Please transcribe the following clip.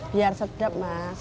biar sedap mas